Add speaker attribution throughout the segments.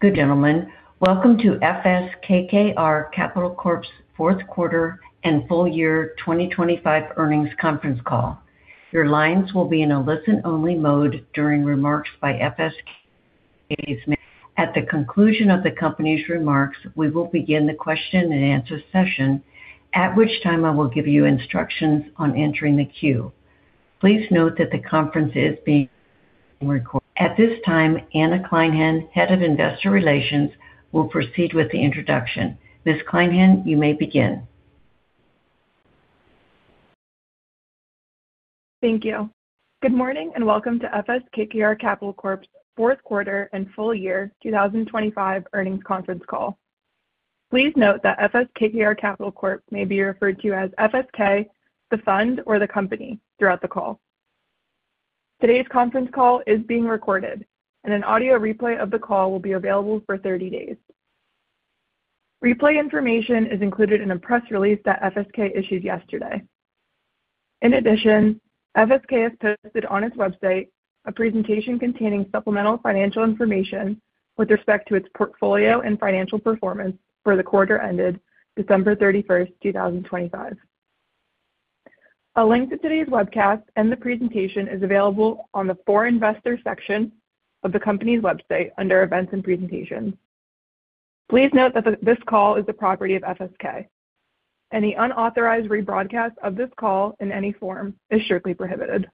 Speaker 1: Good gentlemen. Welcome to FS KKR Capital Corp.'s Fourth Quarter and Full Year 2025 Earnings Conference call. Your lines will be in a listen-only mode during remarks by FSK. At the conclusion of the company's remarks, we will begin the question and answer session, at which time I will give you instructions on entering the queue. Please note that the conference is being recorded. At this time, Anna Kleinhenn, Head of Investor Relations, will proceed with the introduction. Ms. Kleinhenn, you may begin.
Speaker 2: Thank you. Good morning, welcome to FS KKR Capital Corp.'s fourth quarter and full year 2025 earnings conference call. Please note that FS KKR Capital Corp. may be referred to as FSK, the fund, or the company throughout the call. Today's conference call is being recorded, an audio replay of the call will be available for 30 days. Replay information is included in a press release that FSK issued yesterday. In addition, FSK has posted on its website a presentation containing supplemental financial information with respect to its portfolio and financial performance for the quarter ended December 31st, 2025. A link to today's webcast and the presentation is available on the For Investors section of the company's website under Events and Presentations. Please note that this call is the property of FSK. Any unauthorized rebroadcast of this call in any form is strictly prohibited.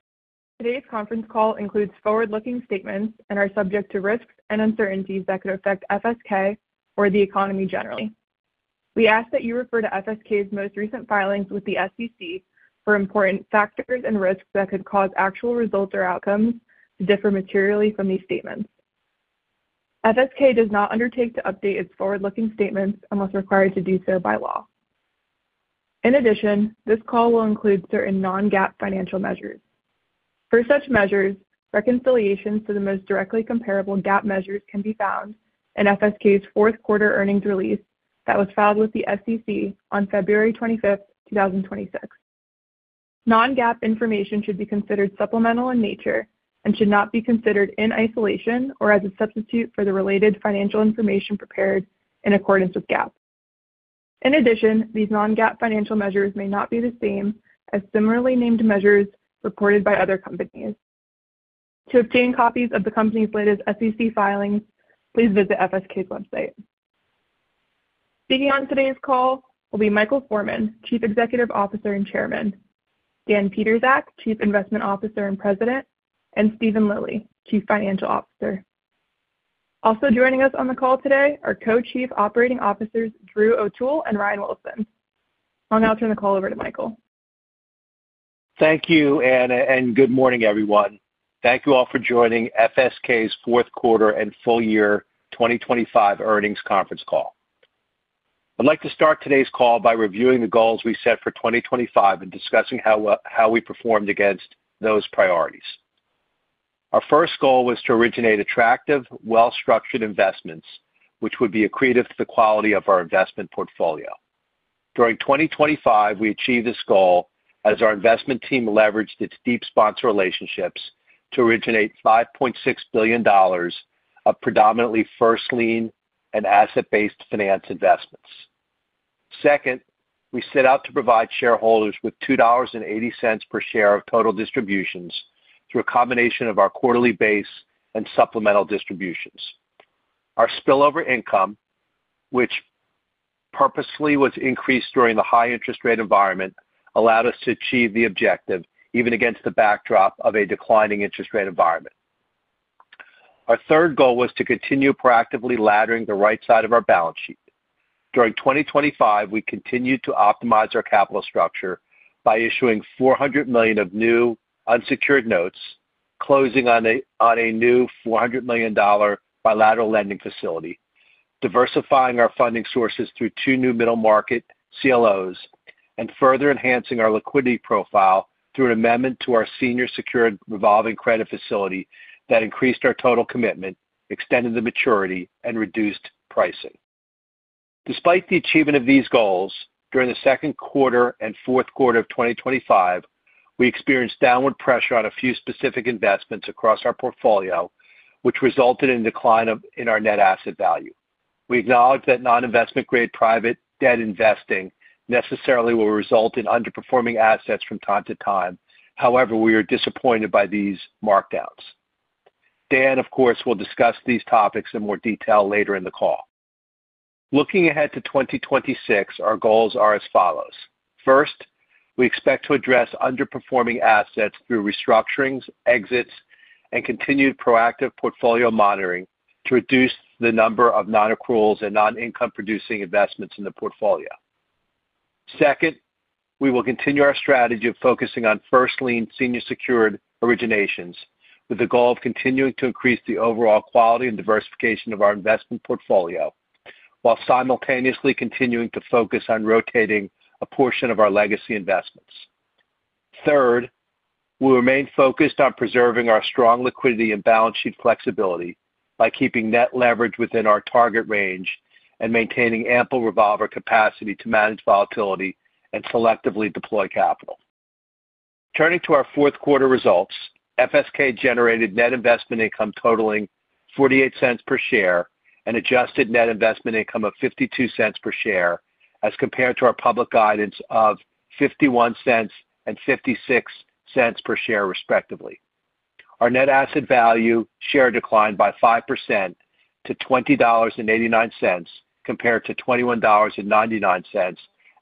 Speaker 2: Today's conference call includes forward-looking statements and are subject to risks and uncertainties that could affect FSK or the economy generally. We ask that you refer to FSK's most recent filings with the SEC for important factors and risks that could cause actual results or outcomes to differ materially from these statements. FSK does not undertake to update its forward-looking statements unless required to do so by law. In addition, this call will include certain non-GAAP financial measures. For such measures, reconciliations to the most directly comparable GAAP measures can be found in FSK's fourth quarter earnings release that was filed with the SEC on February 25, 2026. Non-GAAP information should be considered supplemental in nature and should not be considered in isolation or as a substitute for the related financial information prepared in accordance with GAAP. In addition, these non-GAAP financial measures may not be the same as similarly named measures reported by other companies. To obtain copies of the company's latest SEC filings, please visit FSK's website. Speaking on today's call will be Michael Forman, Chief Executive Officer and Chairman, Dan Pietrzak, Chief Investment Officer and President, and Steven Lilly, Chief Financial Officer. Also joining us on the call today are Co-Chief Operating Officers, Drew O'Toole and Ryan Wilson. I'll now turn the call over to Michael.
Speaker 3: Thank you, Anna, and good morning, everyone. Thank you all for joining FSK's fourth quarter and full year 2025 earnings conference call. I'd like to start today's call by reviewing the goals we set for 2025 and discussing how we performed against those priorities. Our first goal was to originate attractive, well-structured investments, which would be accretive to the quality of our investment portfolio. During 2025, we achieved this goal as our investment team leveraged its deep sponsor relationships to originate $5.6 billion of predominantly first lien and asset-based finance investments. Second, we set out to provide shareholders with $2.80 per share of total distributions through a combination of our quarterly base and supplemental distributions. Our spillover income, which purposely was increased during the high interest rate environment, allowed us to achieve the objective even against the backdrop of a declining interest rate environment. Our third goal was to continue proactively laddering the right side of our balance sheet. During 2025, we continued to optimize our capital structure by issuing $400 million of new unsecured notes, closing on a new $400 million bilateral lending facility, diversifying our funding sources through two new middle-market CLOs, and further enhancing our liquidity profile through an amendment to our senior secured revolving credit facility that increased our total commitment, extended the maturity, and reduced pricing. Despite the achievement of these goals, during the second quarter and fourth quarter of 2025, we experienced downward pressure on a few specific investments across our portfolio, which resulted in a decline in our net asset value. We acknowledge that non-investment-grade private debt investing necessarily will result in underperforming assets from time to time. However, we are disappointed by these markdowns. Dan, of course, will discuss these topics in more detail later in the call. Looking ahead to 2026, our goals are as follows: First, we expect to address underperforming assets through restructurings, exits, and continued proactive portfolio monitoring to reduce the number of nonaccruals and non-income producing investments in the portfolio. Second, we will continue our strategy of focusing on first lien senior secured originations, with the goal of continuing to increase the overall quality and diversification of our investment portfolio, while simultaneously continuing to focus on rotating a portion of our legacy investments. Third, we'll remain focused on preserving our strong liquidity and balance sheet flexibility by keeping net leverage within our target range and maintaining ample revolver capacity to manage volatility and selectively deploy capital. Turning to our fourth quarter results, FSK generated net investment income totaling $0.48 per share and adjusted net investment income of $0.52 per share, as compared to our public guidance of $0.51 and $0.56 per share, respectively. Our net asset value share declined by 5% to $20.89, compared to $21.99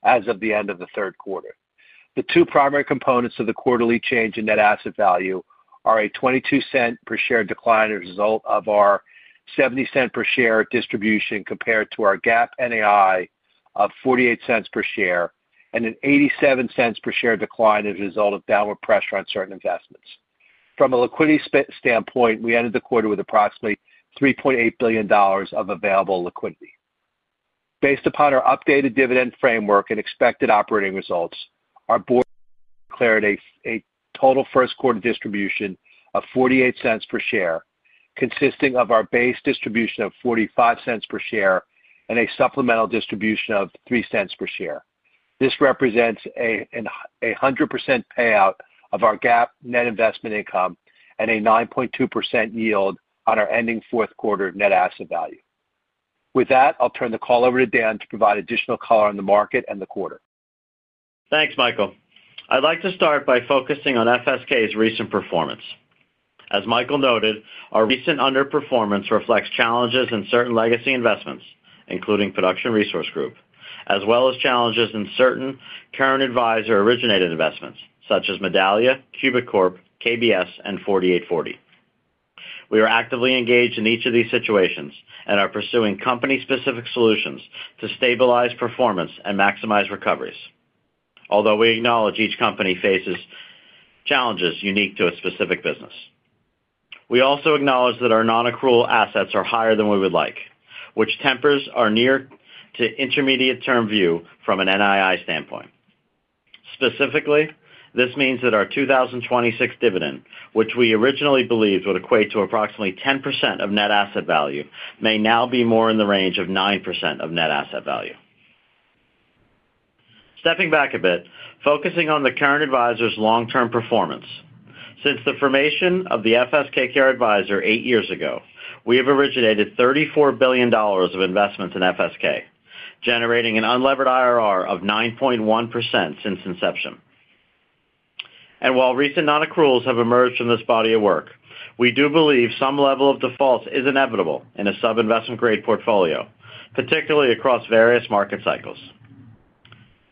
Speaker 3: as of the end of the third quarter. The two primary components of the quarterly change in net asset value are a $0.22 per share decline as a result of our $0.70 per share distribution compared to our GAAP NAI of $0.48 per share, and an $0.87 per share decline as a result of downward pressure on certain investments. From a liquidity standpoint, we ended the quarter with approximately $3.8 billion of available liquidity. Based upon our updated dividend framework and expected operating results, our board declared a total first quarter distribution of $0.48 per share, consisting of our base distribution of $0.45 per share and a supplemental distribution of $0.03 per share. This represents a 100% payout of our GAAP net investment income and a 9.2% yield on our ending fourth quarter net asset value. With that, I'll turn the call over to Dan to provide additional color on the market and the quarter.
Speaker 4: Thanks, Michael. I'd like to start by focusing on FSK's recent performance. As Michael noted, our recent underperformance reflects challenges in certain legacy investments, including Production Resource Group, as well as challenges in certain current advisor-originated investments such as Medallia, CubicCorp, KBS, and 48Forty. We are actively engaged in each of these situations and are pursuing company-specific solutions to stabilize performance and maximize recoveries, although we acknowledge each company faces challenges unique to its specific business. We also acknowledge that our nonaccrual assets are higher than we would like, which tempers our near to intermediate-term view from an NII standpoint. Specifically, this means that our 2026 dividend, which we originally believed would equate to approximately 10% of net asset value, may now be more in the range of 9% of net asset value. Stepping back a bit, focusing on the current advisor's long-term performance. Since the formation of the FS KKR advisor 8 years ago, we have originated $34 billion of investments in FSK, generating an unlevered IRR of 9.1% since inception. While recent nonaccruals have emerged from this body of work, we do believe some level of default is inevitable in a sub-investment-grade portfolio, particularly across various market cycles.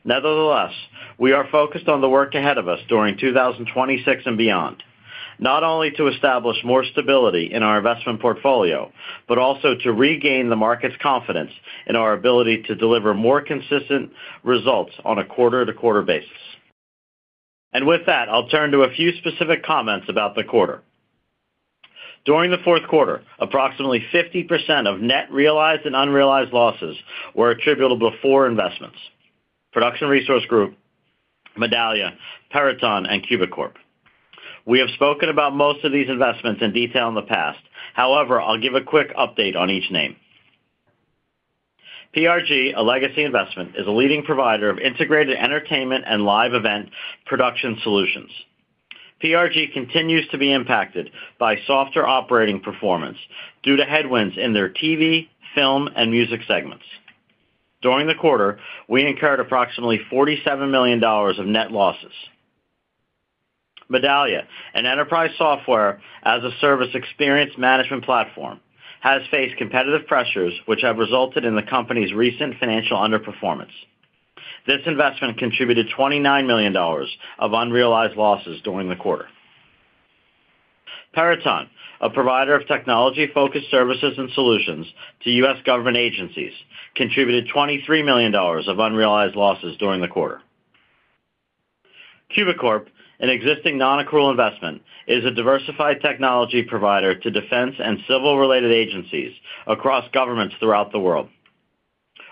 Speaker 4: Nevertheless, we are focused on the work ahead of us during 2026 and beyond. Not only to establish more stability in our investment portfolio, but also to regain the market's confidence in our ability to deliver more consistent results on a quarter-to-quarter basis. With that, I'll turn to a few specific comments about the quarter. During the fourth quarter, approximately 50% of net realized and unrealized losses were attributable to four investments: Production Resource Group, Medallia, Peraton, and CubicCorp. We have spoken about most of these investments in detail in the past. However, I'll give a quick update on each name. PRG, a legacy investment, is a leading provider of integrated entertainment and live event production solutions. PRG continues to be impacted by softer operating performance due to headwinds in their TV, film, and music segments. During the quarter, we incurred approximately $47 million of net losses. Medallia, an enterprise software as a service experience management platform, has faced competitive pressures, which have resulted in the company's recent financial underperformance. This investment contributed $29 million of unrealized losses during the quarter. Peraton, a provider of technology-focused services and solutions to U.S. government agencies, contributed $23 million of unrealized losses during the quarter. CubicCorp, an existing nonaccrual investment, is a diversified technology provider to defense and civil-related agencies across governments throughout the world.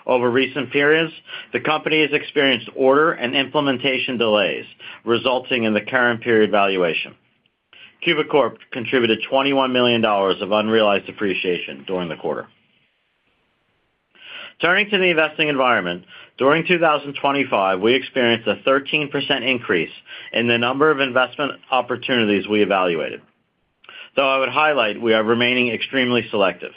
Speaker 4: Over recent periods, the company has experienced order and implementation delays, resulting in the current period valuation. CubicCorp contributed $21 million of unrealized depreciation during the quarter. Turning to the investing environment. During 2025, we experienced a 13% increase in the number of investment opportunities we evaluated. I would highlight, we are remaining extremely selective.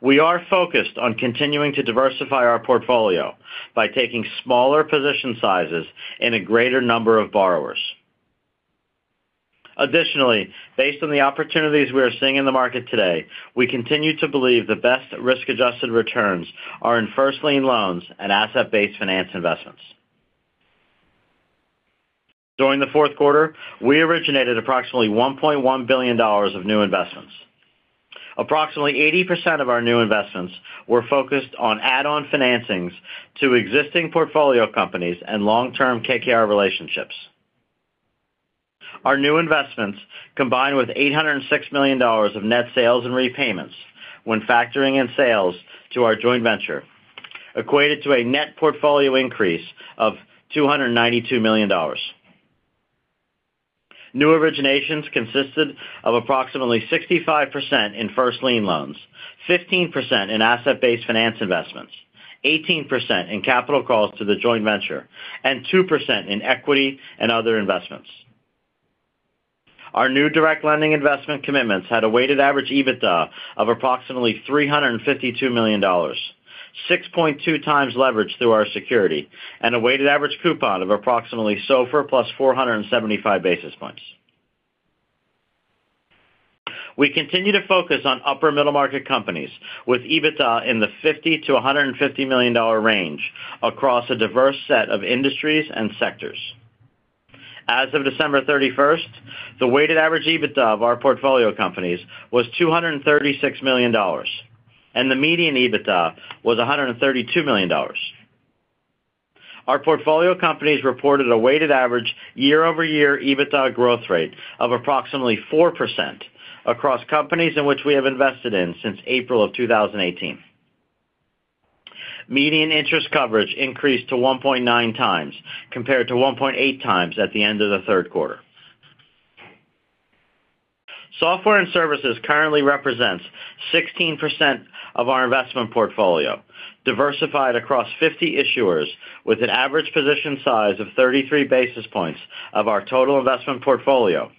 Speaker 4: We are focused on continuing to diversify our portfolio by taking smaller position sizes in a greater number of borrowers. Additionally, based on the opportunities we are seeing in the market today, we continue to believe the best risk-adjusted returns are in first lien loans and asset-based finance investments. During the fourth quarter, we originated approximately $1.1 billion of new investments. Approximately 80% of our new investments were focused on add-on financings to existing portfolio companies and long-term KKR relationships. Our new investments, combined with $806 million of net sales and repayments when factoring in sales to our joint venture, equated to a net portfolio increase of $292 million. New originations consisted of approximately 65% in first lien loans, 15% in asset-based finance investments, 18% in capital calls to the joint venture, and 2% in equity and other investments. Our new direct lending investment commitments had a weighted average EBITDA of approximately $352 million, 6.2x leverage through our security, and a weighted average coupon of approximately SOFR plus 475 basis points. We continue to focus on upper middle-market companies, with EBITDA in the $50 million-$150 million range across a diverse set of industries and sectors. As of December 31st, the weighted average EBITDA of our portfolio companies was $236 million, and the median EBITDA was $132 million. Our portfolio companies reported a weighted average year-over-year EBITDA growth rate of approximately 4% across companies in which we have invested in since April of 2018. Median interest coverage increased to 1.9x, compared to 1.8x at the end of the third quarter. Software and services currently represents 16% of our investment portfolio, diversified across 50 issuers, with an average position size of 33 basis points of our total investment portfolio.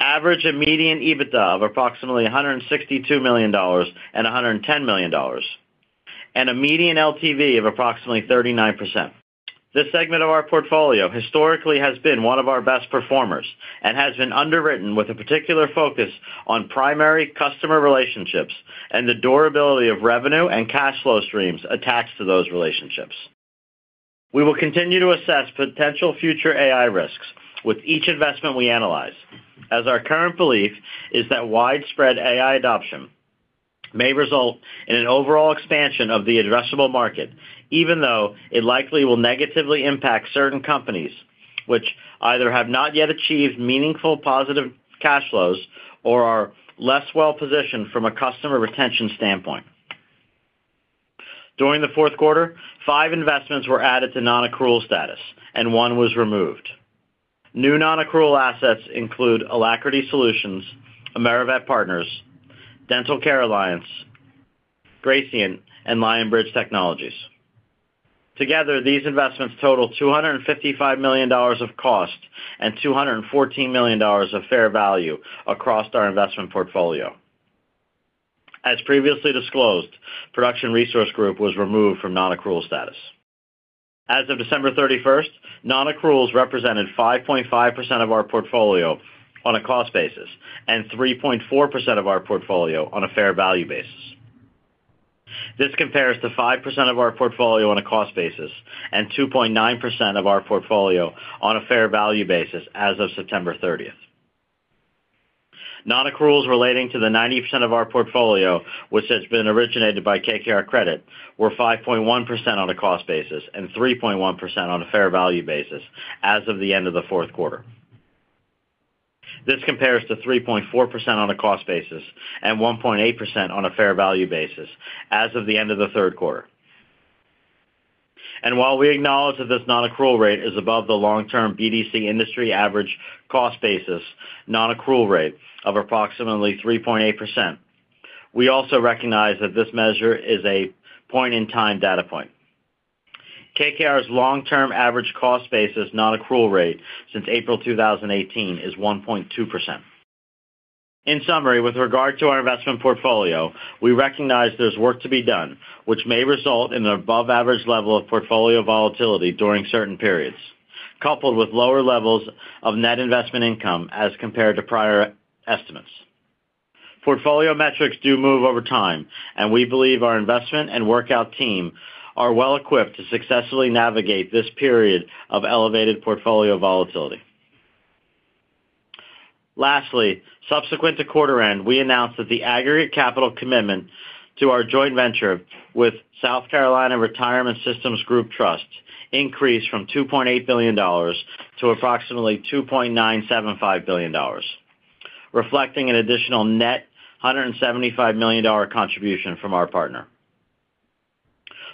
Speaker 4: Average and median EBITDA of approximately $162 million and $110 million, and a median LTV of approximately 39%. This segment of our portfolio historically has been one of our best performers and has been underwritten with a particular focus on primary customer relationships and the durability of revenue and cash flow streams attached to those relationships. We will continue to assess potential future AI risks with each investment we analyze, as our current belief is that widespread AI adoption may result in an overall expansion of the addressable market, even though it likely will negatively impact certain companies which either have not yet achieved meaningful positive cash flows or are less well-positioned from a customer retention standpoint. During the fourth quarter, 5 investments were added to nonaccrual status and 1 was removed. New nonaccrual assets include Alacrity Solutions, AmeriVet Partners, Dental Care Alliance, Gracian, and Lionbridge Technologies. Together, these investments total $255 million of cost and $214 million of fair value across our investment portfolio. As previously disclosed, Production Resource Group was removed from non-accrual status. As of December 31st, nonaccruals represented 5.5% of our portfolio on a cost basis and 3.4% of our portfolio on a fair value basis. This compares to 5% of our portfolio on a cost basis and 2.9% of our portfolio on a fair value basis as of September 30th. Nonaccruals relating to the 90% of our portfolio, which has been originated by KKR Credit, were 5.1% on a cost basis and 3.1% on a fair value basis as of the end of the fourth quarter. This compares to 3.4% on a cost basis and 1.8% on a fair value basis as of the end of the third quarter. While we acknowledge that this nonaccrual rate is above the long-term BDC industry average cost basis, nonaccrual rate of approximately 3.8%, we also recognize that this measure is a point-in-time data point. KKR's long-term average cost basis, nonaccrual rate since April 2018 is 1.2%. In summary, with regard to our investment portfolio, we recognize there's work to be done, which may result in an above-average level of portfolio volatility during certain periods, coupled with lower levels of net investment income as compared to prior estimates. Portfolio metrics do move over time, and we believe our investment and workout team are well equipped to successfully navigate this period of elevated portfolio volatility. Lastly, subsequent to quarter end, we announced that the aggregate capital commitment to our joint venture with South Carolina Retirement Systems Group Trust increased from $2.8 billion to approximately $2.975 billion, reflecting an additional net $175 million contribution from our partner.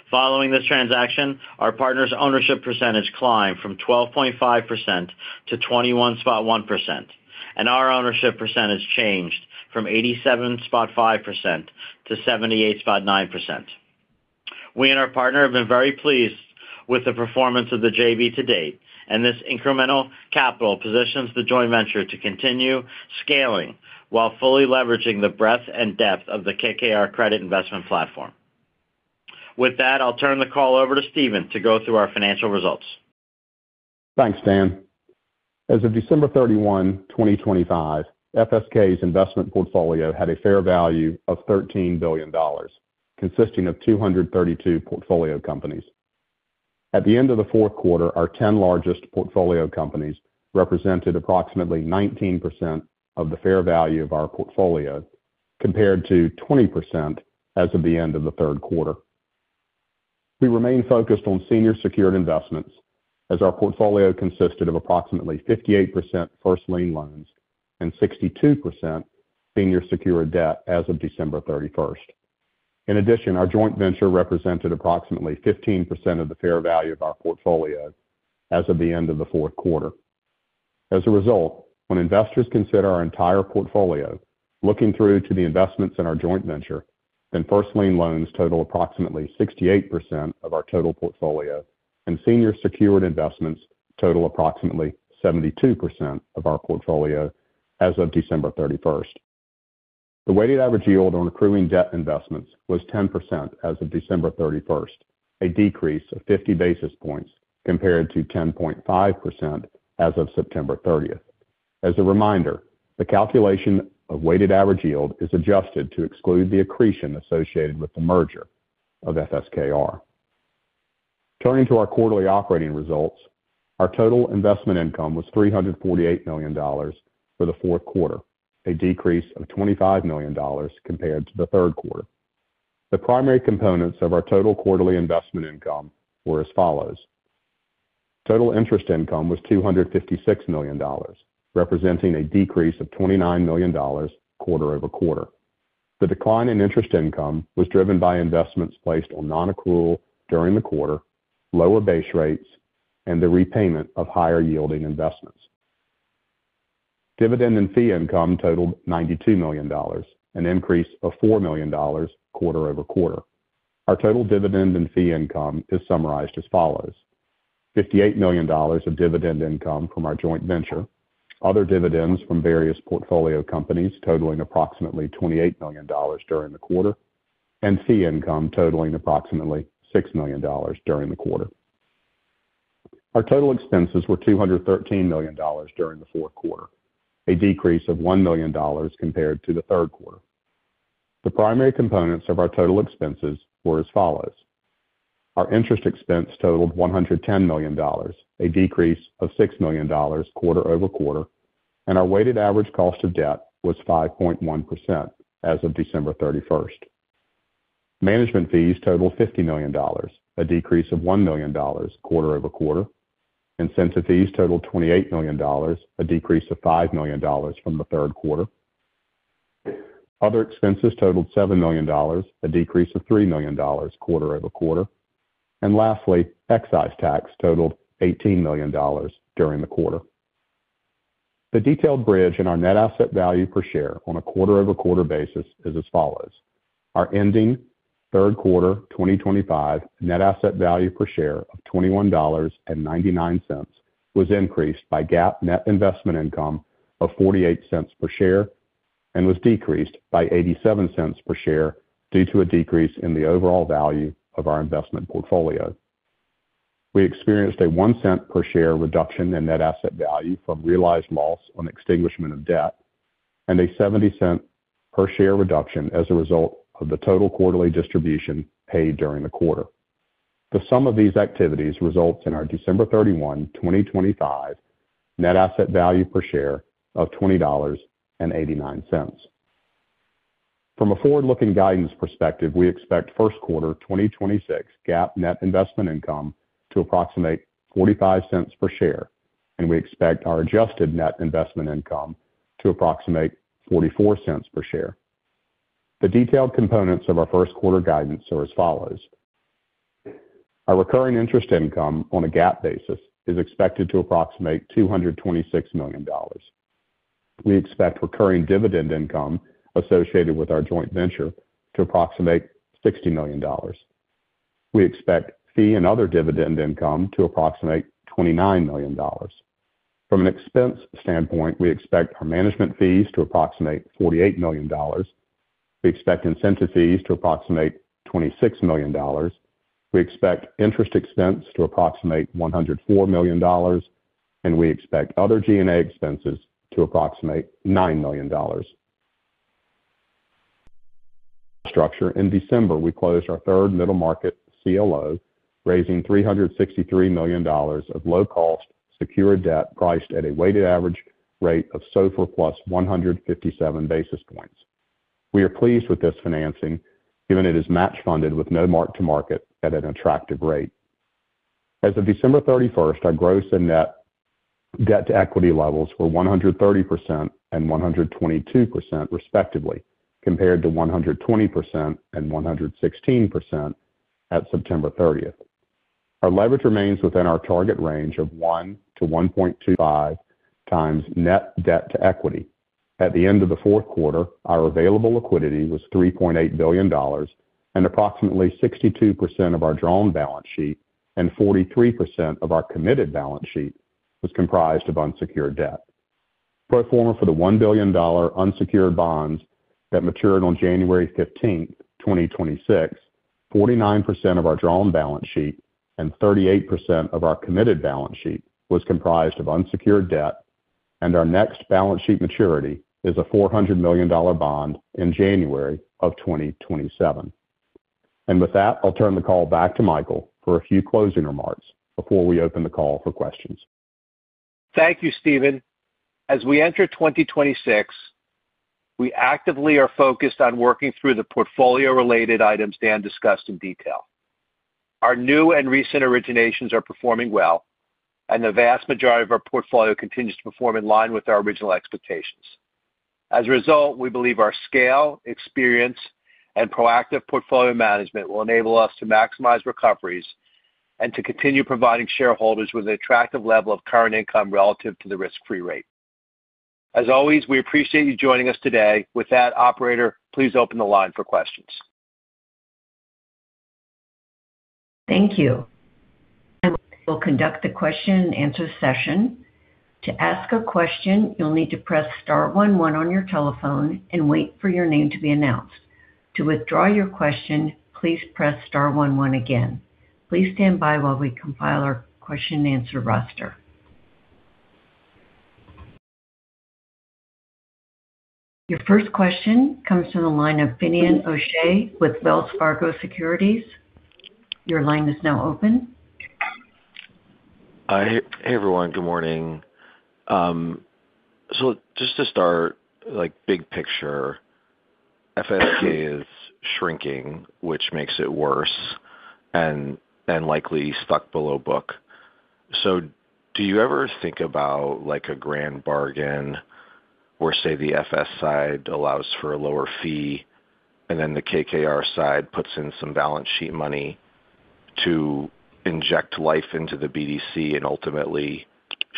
Speaker 4: Following this transaction, our partner's ownership percentage climbed from 12.5%-21.1%, and our ownership percentage changed from 87.5%-78.9%. We and our partner have been very pleased with the performance of the JV to date, and this incremental capital positions the joint venture to continue scaling while fully leveraging the breadth and depth of the KKR Credit investment platform. With that, I'll turn the call over to Steven to go through our financial results.
Speaker 5: Thanks, Dan. As of December 31, 2025, FSK's investment portfolio had a fair value of $13 billion, consisting of 232 portfolio companies. At the end of the fourth quarter, our 10 largest portfolio companies represented approximately 19% of the fair value of our portfolio, compared to 20% as of the end of the third quarter. We remain focused on senior secured investments, as our portfolio consisted of approximately 58% first lien loans and 62% senior secured debt as of December 31st. In addition, our joint venture represented approximately 15% of the fair value of our portfolio as of the end of the fourth quarter. As a result, when investors consider our entire portfolio, looking through to the investments in our joint venture, then first lien loans total approximately 68% of our total portfolio, and senior secured investments total approximately 72% of our portfolio as of December 31st. The weighted average yield on accruing debt investments was 10% as of December 31st, a decrease of 50 basis points compared to 10.5% as of September 30th. As a reminder, the calculation of weighted average yield is adjusted to exclude the accretion associated with the merger of FSKR. Turning to our quarterly operating results, our total investment income was $348 million for the fourth quarter, a decrease of $25 million compared to the third quarter. The primary components of our total quarterly investment income were as follows: Total interest income was $256 million, representing a decrease of $29 million quarter-over-quarter. The decline in interest income was driven by investments placed on nonaccrual during the quarter, lower base rates, and the repayment of higher-yielding investments. Dividend and fee income totaled $92 million, an increase of $4 million quarter-over-quarter. Our total dividend and fee income is summarized as follows: $58 million of dividend income from our joint venture, other dividends from various portfolio companies totaling approximately $28 million during the quarter, and fee income totaling approximately $6 million during the quarter. Our total expenses were $213 million during the fourth quarter, a decrease of $1 million compared to the third quarter. The primary components of our total expenses were as follows: Our interest expense totaled $110 million, a decrease of $6 million quarter-over-quarter, and our weighted average cost of debt was 5.1% as of December 31st. Management fees totaled $50 million, a decrease of $1 million quarter-over-quarter, incentive fees totaled $28 million, a decrease of $5 million from the third quarter. Other expenses totaled $7 million, a decrease of $3 million quarter-over-quarter. Lastly, excise tax totaled $18 million during the quarter. The detailed bridge in our net asset value per share on a quarter-over-quarter basis is as follows: Our ending 3rd quarter 2025 net asset value per share of $21.99 was increased by GAAP net investment income of $0.48 per share and was decreased by $0.87 per share due to a decrease in the overall value of our investment portfolio. We experienced a $0.01 per share reduction in net asset value from realized loss on extinguishment of debt and a $0.70 per share reduction as a result of the total quarterly distribution paid during the quarter. The sum of these activities results in our December 31, 2025 net asset value per share of $20.89. From a forward-looking guidance perspective, we expect first quarter 2026 GAAP net investment income to approximate $0.45 per share, and we expect our adjusted net investment income to approximate $0.44 per share. The detailed components of our first quarter guidance are as follows: Our recurring interest income on a GAAP basis is expected to approximate $226 million. We expect recurring dividend income associated with our joint venture to approximate $60 million. We expect fee and other dividend income to approximate $29 million. From an expense standpoint, we expect our management fees to approximate $48 million. We expect incentive fees to approximate $26 million. We expect interest expense to approximate $104 million, and we expect other G&A expenses to approximate $9 million Structure. In December, we closed our third middle-market CLO, raising $363 million of low-cost, secured debt priced at a weighted average rate of SOFR plus 157 basis points. We are pleased with this financing, given it is match funded with no mark-to-market at an attractive rate. As of December 31st, our gross and net debt to equity levels were 130% and 122%, respectively, compared to 120% and 116% at September 30th. Our leverage remains within our target range of 1 to 1.25 times net debt to equity. At the end of the 4th quarter, our available liquidity was $3.8 billion, and approximately 62% of our drawn balance sheet and 43% of our committed balance sheet was comprised of unsecured debt. Pro forma for the $1 billion unsecured bonds that matured on January 15th, 2026, 49% of our drawn balance sheet and 38% of our committed balance sheet was comprised of unsecured debt. Our next balance sheet maturity is a $400 million bond in January 2027. With that, I'll turn the call back to Michael for a few closing remarks before we open the call for questions.
Speaker 3: Thank you, Steven. As we enter 2026, we actively are focused on working through the portfolio-related items Dan discussed in detail. Our new and recent originations are performing well. The vast majority of our portfolio continues to perform in line with our original expectations. As a result, we believe our scale, experience, and proactive portfolio management will enable us to maximize recoveries and to continue providing shareholders with an attractive level of current income relative to the risk-free rate. As always, we appreciate you joining us today. With that, operator, please open the line for questions.
Speaker 1: Thank you. We'll conduct the question and answer session. To ask a question, you'll need to press star one one on your telephone and wait for your name to be announced. To withdraw your question, please press star one one again. Please stand by while we compile our question and answer roster. Your first question comes from the line of Finian O'Shea with Wells Fargo Securities. Your line is now open.
Speaker 6: Hi. Hey, everyone. Good morning. just to start, like, big picture, FSK is shrinking, which makes it worse and likely stuck below book. Do you ever think about, like, a grand bargain, or say, the FS side allows for a lower fee, and then the KKR side puts in some balance sheet money to inject life into the BDC and ultimately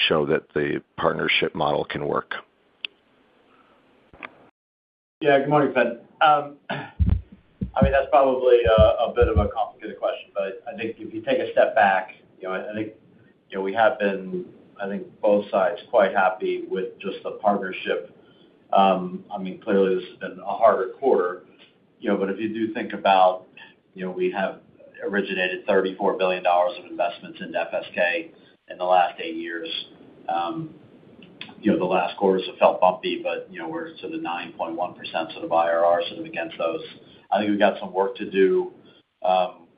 Speaker 6: show that the partnership model can work?
Speaker 4: Good morning, Finian. I mean, that's probably a bit of a complicated question, but I think if you take a step back, you know, I think, you know, we have been, I think, both sides quite happy with just the partnership. I mean clearly, this has been a harder quarter, you know, but if you do think about, you know, we have originated $34 billion of investments into FSK in the last eight years. You know, the last quarter has felt bumpy, but, you know, we're to the 9.1% sort of IRRs against those. I think we've got some work to do,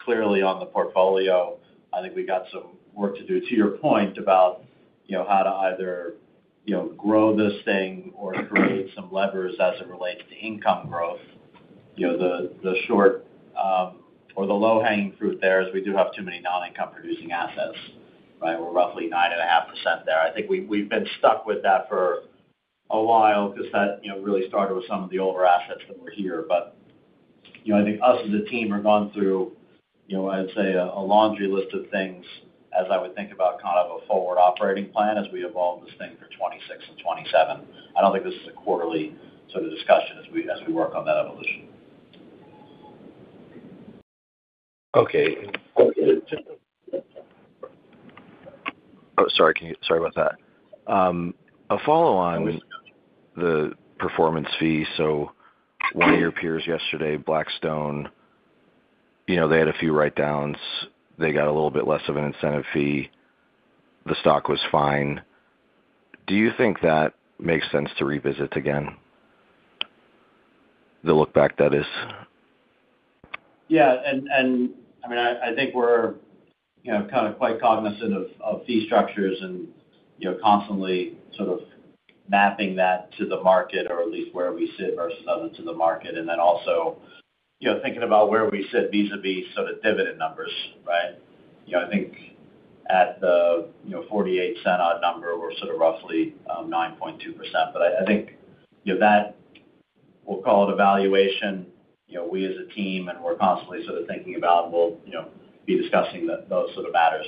Speaker 4: clearly on the portfolio. I think we got some work to do, to your point, about, you know, how to either, you know, grow this thing or create some levers as it relates to income growth. You know, the short, or the low-hanging fruit there is we do have too many non-income producing assets, right? We're roughly 9.5% there. I think we've been stuck with that for a while because that, you know, really started with some of the older assets that were here. You know, I think us, as a team, have gone through, you know, I'd say, a laundry list of things as I would think about kind of a forward operating plan as we evolve this thing for 2026 and 2027. I don't think this is a quarterly sort of discussion as we, as we work on that evolution.
Speaker 6: Okay. Sorry about that. A follow-on the performance fee. One of your peers yesterday, Blackstone, you know, they had a few write-downs. They got a little bit less of an incentive fee. The stock was fine. Do you think that makes sense to revisit again? The look back, that is.
Speaker 4: I mean, I think we're, you know, kind of quite cognizant of fee structures and, you know, constantly sort of mapping that to the market or at least where we sit versus other to the market. Also, you know, thinking about where we sit vis-a-vis sort of dividend numbers, right? I think at the, you know, $0.48 odd number, we're sort of roughly, 9.2%. I think, you know, that we'll call it evaluation, you know, we as a team, and we're constantly sort of thinking about we'll, you know, be discussing those sort of matters.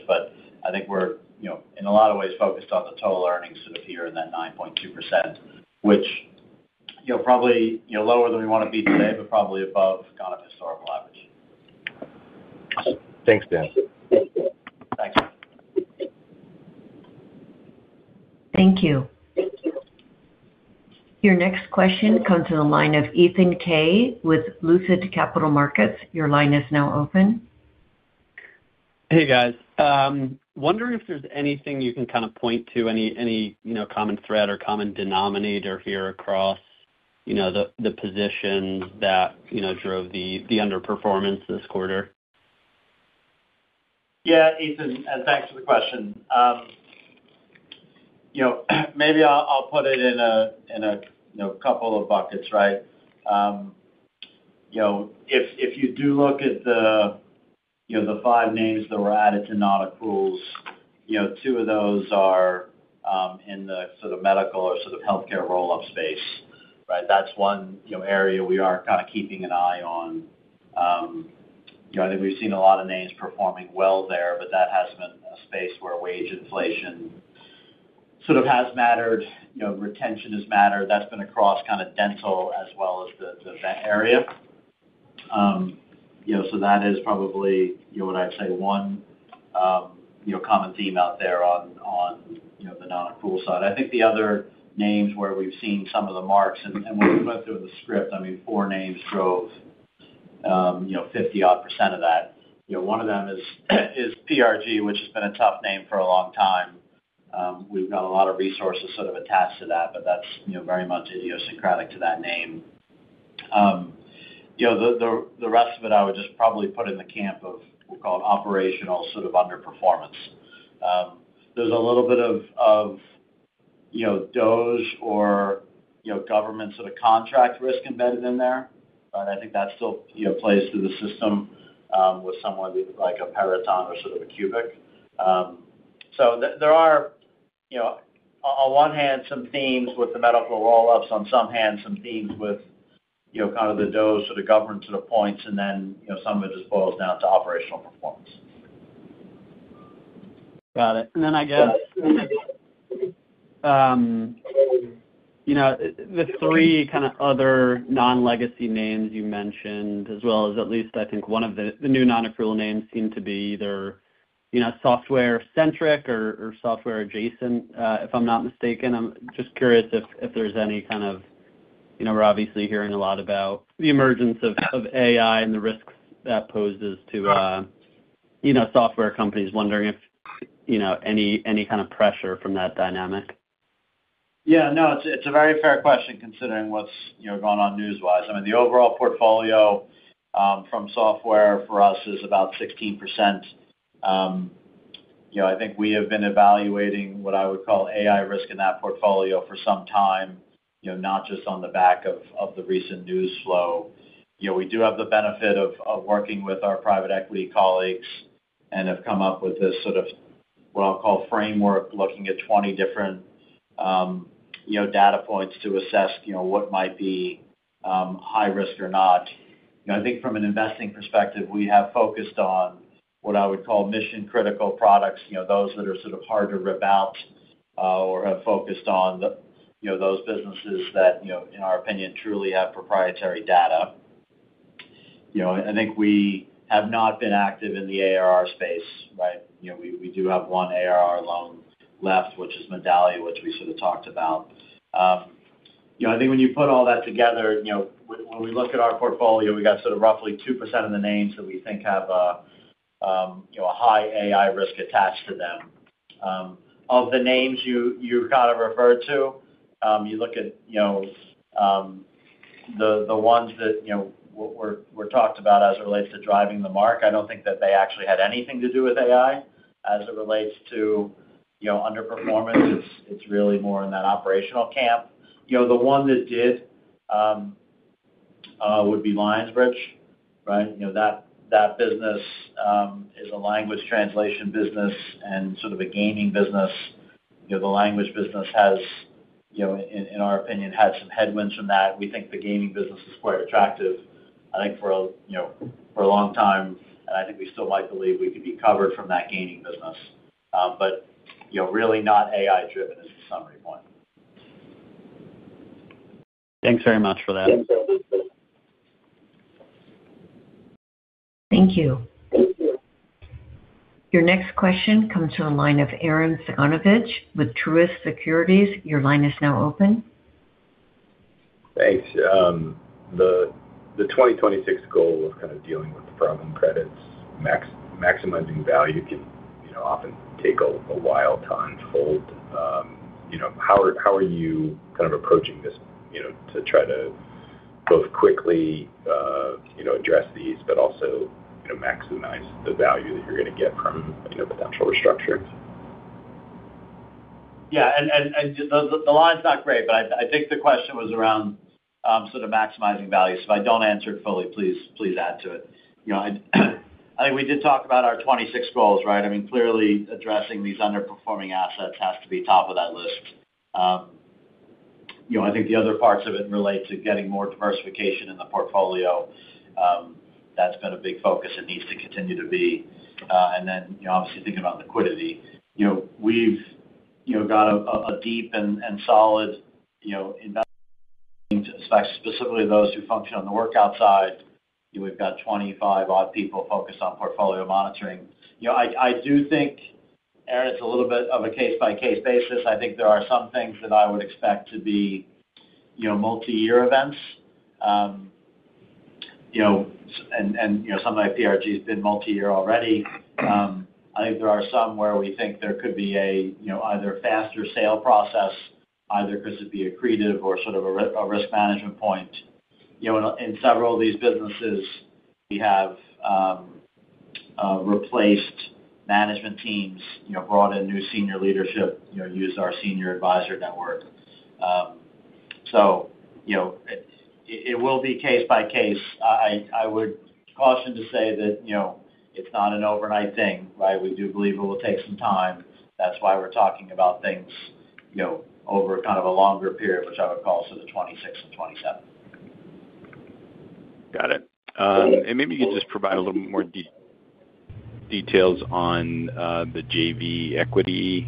Speaker 4: I think we're, you know, in a lot of ways, focused on the total earnings sort of here in that 9.2%, which, you know, probably, you know, lower than we want to be today, but probably above kind of historical average.
Speaker 6: Thanks, Dan.
Speaker 4: Thanks.
Speaker 1: Thank you. Your next question comes to the line of Ethan Kaye with Lucid Capital Markets. Your line is now open.
Speaker 7: Hey, guys. wondering if there's anything you can kind of point to, any, you know, common thread or common denominator here across, you know, the positions that, you know, drove the underperformance this quarter?
Speaker 4: Yeah, Ethan, and thanks for the question. you know, maybe I'll put it in a, in a, you know, couple of buckets, right? you know, if you do look at the, you know, the five names that were added to nonaccruals, you know, two of those are, in the sort of medical or sort of healthcare roll-up space, right? That's one, you know, area we are kind of keeping an eye on. you know, I think we've seen a lot of names performing well there, but that has been a space where wage inflation sort of has mattered, you know, retention has mattered. That's been across kind of dental as well as the vet area. you know, so that is probably, you know, what I'd say, one, you know, common theme out there on, you know, the nonaccrual side. I think the other names where we've seen some of the marks, and when we went through the script, four names drove 50 odd % of that. One of them is PRG, which has been a tough name for a long time. We've got a lot of resources sort of attached to that, but that's very much idiosyncratic to that name. The rest of it, I would just probably put in the camp of, we'll call it, operational sort of underperformance. There's a little bit of DOGE or government sort of contract risk embedded in there. I think that still plays through the system with somewhat like a Peraton or sort of a Cubic. There are, you know, on one hand, some themes with the medical roll-ups, on some hand, some themes with, you know, kind of the DOGE or the government sort of points, and then, you know, some of it just boils down to operational performance.
Speaker 7: Got it. I guess, you know, the 3 kind of other non-legacy names you mentioned, as well as at least I think one of the new nonaccrual names seem to be either, you know, software-centric or software adjacent, if I'm not mistaken. I'm just curious if there's any kind of. You know, we're obviously hearing a lot about the emergence of AI and the risks that poses to, you know, software companies. Wondering if, you know, any kind of pressure from that dynamic?
Speaker 4: No, it's a very fair question, considering what's, you know, going on news-wise. I mean, the overall portfolio from software for us is about 16%. You know, I think we have been evaluating what I would call AI risk in that portfolio for some time, you know, not just on the back of the recent news flow. You know, we do have the benefit of working with our private equity colleagues and have come up with this sort of, what I'll call framework, looking at 20 different, you know, data points to assess, you know, what might be high risk or not. You know, I think from an investing perspective, we have focused on what I would call mission-critical products, you know, those that are sort of hard to rip out, or have focused on the, you know, those businesses that, you know, in our opinion, truly have proprietary data. You know, I think we have not been active in the ARR space, right? You know, we do have one ARR loan left, which is Medallia, which we sort of talked about. You know, I think when you put all that together, you know, when we look at our portfolio, we got sort of roughly 2% of the names that we think have a, you know, a high AI risk attached to them. Of the names you kind of referred to, you look at, you know, the ones that, you know, were talked about as it relates to driving the mark. I don't think that they actually had anything to do with AI. As it relates to, you know, underperformance, it's really more in that operational camp. You know, the one that did would be Lionbridge, right? You know, that business is a language translation business and sort of a gaming business. You know, the language business has, you know, in our opinion, had some headwinds from that. We think the gaming business is quite attractive, I think for a, you know, for a long time, and I think we still likely could be covered from that gaming business. you know, really not AI driven is the summary point.
Speaker 7: Thanks very much for that.
Speaker 1: Thank you. Your next question comes from the line of Arren Cyganovich with Truist Securities. Your line is now open.
Speaker 8: Thanks. The 2026 goal of kind of dealing with the problem credits, maximizing value can, you know, often take a while to unfold. You know, how are you kind of approaching this, you know, to try to both quickly, you know, address these, but also, you know, maximize the value that you're gonna get from, you know, potential restructures?
Speaker 4: Yeah, the line's not great, but I think the question was around sort of maximizing value. If I don't answer it fully, please add to it. You know, I think we did talk about our 2026 goals, right? I mean, clearly addressing these underperforming assets has to be top of that list. You know, I think the other parts of it relate to getting more diversification in the portfolio. That's been a big focus and needs to continue to be, then, you know, obviously, thinking about liquidity. You know, we've, you know, got a deep and solid, you know, investment, specifically those who function on the work outside. You know, we've got 25 odd people focused on portfolio monitoring. You know, I do think, Arren, it's a little bit of a case-by-case basis. I think there are some things that I would expect to be, you know, multiyear events. You know, and, you know, some like PRG's been multiyear already. I think there are some where we think there could be a, you know, either faster sale process, either because it'd be accretive or sort of a risk management point. You know, in several of these businesses, we have replaced management teams, you know, brought in new senior leadership, you know, used our senior advisor network. You know, it will be case by case. I, I would caution to say that, you know, it's not an overnight thing, right? We do believe it will take some time. That's why we're talking about things, you know, over kind of a longer period, which I would call sort of 2026 and 2027.
Speaker 8: Got it. And maybe you could just provide a little more details on the JV equity,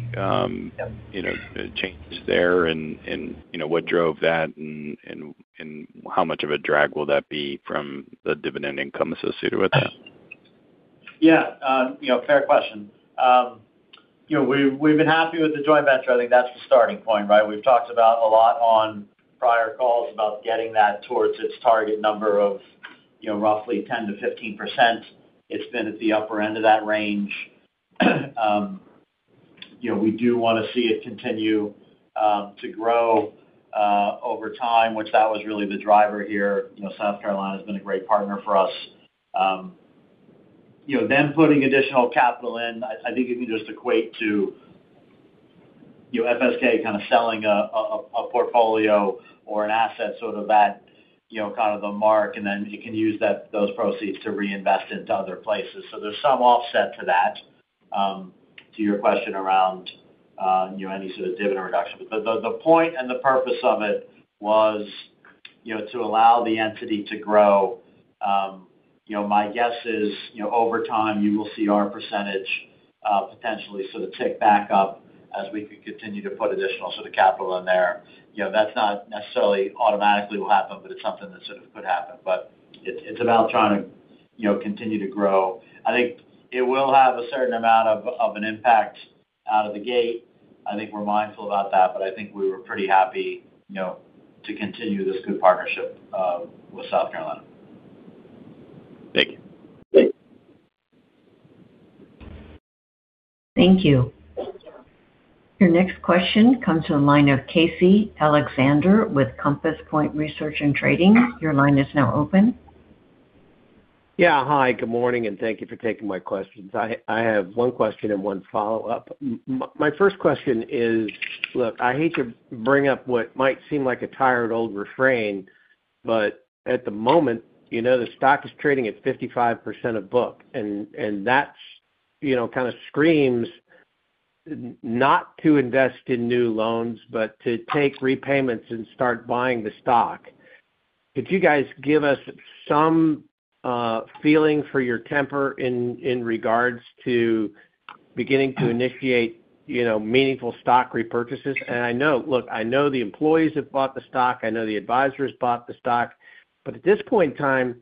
Speaker 8: you know, changes there and, you know, what drove that and how much of a drag will that be from the dividend income associated with that?
Speaker 4: Yeah, you know, fair question. You know, we've been happy with the joint venture. I think that's the starting point, right? We've talked about a lot on prior calls about getting that towards its target number of, you know, roughly 10%-15%. It's been at the upper end of that range. You know, we do want to see it continue to grow over time, which that was really the driver here. South Carolina has been a great partner for us. You know, them putting additional capital in, I think it can just equate to, you know, FSK kind of selling a portfolio or an asset, sort of that, you know, kind of the mark, and then you can use that, those proceeds to reinvest into other places. There's some offset to that, to your question around, you any sort of dividend reduction. The point and the purpose of it was, you know, to allow the entity to grow. You know, my guess is, you know, over time, you will see our percentage, potentially sort of tick back up as we could continue to put additional sort of capital in there. You know, that's not necessarily automatically will happen, but it's something that sort of could happen. It's about trying to, you know, continue to grow. I think it will have a certain amount of an impact out of the gate. I think we're mindful about that, but I think we were pretty happy, you know, to continue this good partnership with South Carolina.
Speaker 8: Thank you.
Speaker 4: Great.
Speaker 1: Thank you. Your next question comes from the line of Casey Alexander with Compass Point Research & Trading. Your line is now open.
Speaker 9: Yeah, hi, good morning. Thank you for taking my questions. I have one question and one follow-up. My first question is. Look, I hate to bring up what might seem like a tired, old refrain, but at the moment, you know, the stock is trading at 55% of book, and that's, you know, kind of screams not to invest in new loans, but to take repayments and start buying the stock. Could you guys give us some feeling for your temper in regards to beginning to initiate, you know, meaningful stock repurchases? I know. Look, I know the employees have bought the stock, I know the advisors bought the stock, but at this point in time,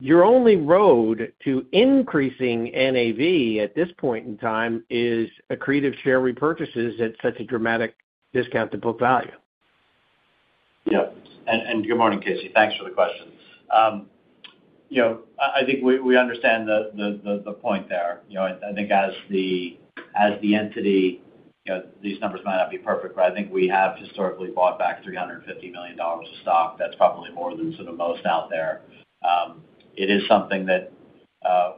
Speaker 9: your only road to increasing NAV at this point in time is accretive share repurchases at such a dramatic discount to book value.
Speaker 4: Yep. Good morning, Casey. Thanks for the questions. You know, I think we understand the point there. You know, I think as the entity, you know, these numbers might not be perfect, but I think we have historically bought back $350 million of stock. That's probably more than sort of most out there. It is something that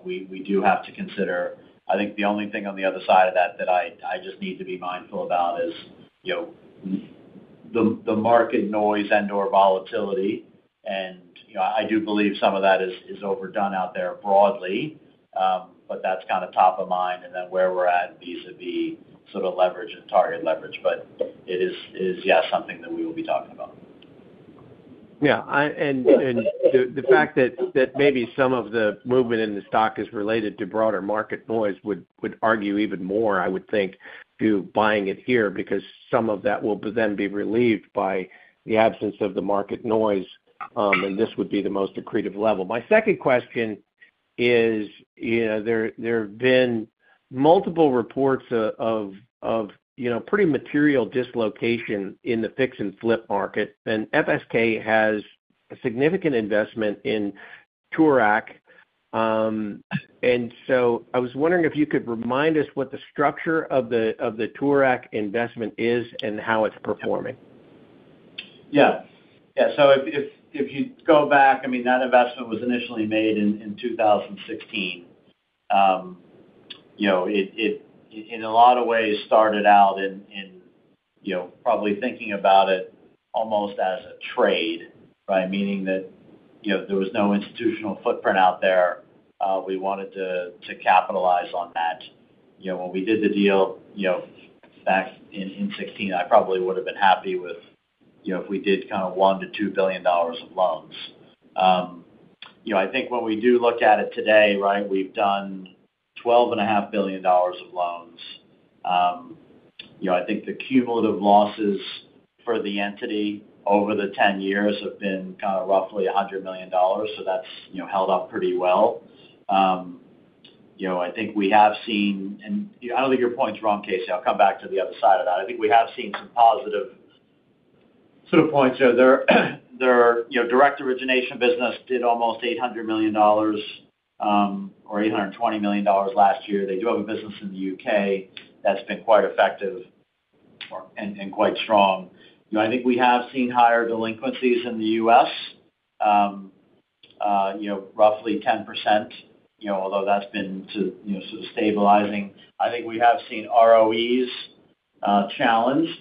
Speaker 4: we do have to consider. I think the only thing on the other side of that I just need to be mindful about is, you know, the market noise and, or volatility. You know, I do believe some of that is overdone out there broadly, but that's kind of top of mind and then where we're at vis-à-vis, sort of, leverage and target leverage. It is, yes, something that we will be talking about.
Speaker 9: I, the fact that maybe some of the movement in the stock is related to broader market noise would argue even more, I would think, to buying it here, because some of that will then be relieved by the absence of the market noise, and this would be the most accretive level. My second question is, you know, there have been multiple reports of, you know, pretty material dislocation in the fix and flip market, and FSK has a significant investment in Toorak. I was wondering if you could remind us what the structure of the Toorak investment is and how it's performing.
Speaker 4: Yeah. Yeah, if you go back, I mean, that investment was initially made in 2016. You know, it in a lot of ways, started out in, you know, probably thinking about it almost as a trade, right? Meaning that, you know, there was no institutional footprint out there, we wanted to capitalize on that. You know, when we did the deal, you know, back in 2016, I probably would have been happy with, you know, if we did kind of $1 billion-$2 billion of loans. You know, I think when we do look at it today, right, we've done $12.5 billion of loans. you know, I think the cumulative losses for the entity over the 10 years have been kind of roughly $100 million, so that's, you know, held up pretty well. you know, I think we have seen, and I don't think your point's wrong, Casey. I'll come back to the other side of that. I think we have seen some positive sort of points there. There, you know, direct origination business did almost $800 million, or $820 million last year. They do have a business in the U.K. that's been quite effective or, and quite strong. You know, I think we have seen higher delinquencies in the U.S., you know, roughly 10%, you know, although that's been to, you know, sort of stabilizing. I think we have seen ROEs challenged,